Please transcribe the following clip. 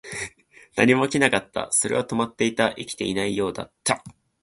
何も起きなかった。それは止まっていた。生きていないようだった。